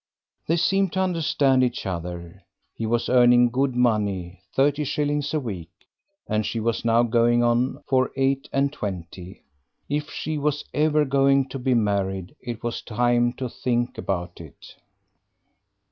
They seemed to understand each other; he was earning good money, thirty shillings a week, and she was now going on for eight and twenty; if she was ever going to be married it was time to think about it.